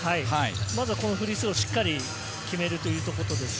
まずはフリースローをしっかり決めるというところ。